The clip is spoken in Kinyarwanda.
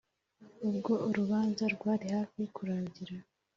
ubwo urubanza rwari hafi kurangira,